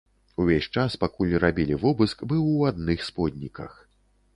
Увесь час, пакуль рабілі вобыск, быў у адных сподніках.